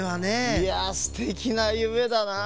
いやすてきなゆめだなあ。